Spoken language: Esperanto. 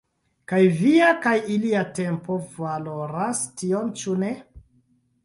Kaj via kaj ilia tempo valoras tion, ĉu ne?